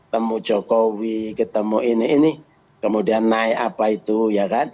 temu jokowi ketemu ini ini kemudian naik apa itu ya kan